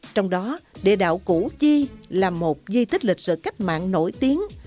trong đó địa đạo củ chi là một di tích lịch sử cách mạng nổi tiếng